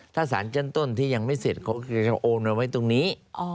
ถ้าสารชั้นต้นที่ยังไม่เสร็จเขาก็จะโอนเอาไว้ตรงนี้